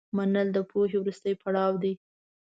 منل د پوهې وروستی پړاو دی.